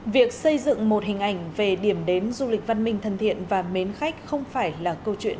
việc xây dựng một hình ảnh về điểm đến du lịch văn minh thân thiện và mến khách không phải là câu chuyện